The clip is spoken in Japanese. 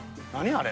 あれ。